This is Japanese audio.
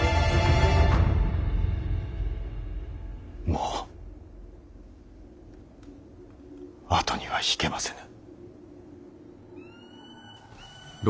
もう後には引けませぬ。